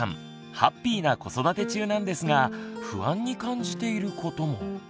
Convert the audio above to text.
ハッピーな子育て中なんですが不安に感じていることも。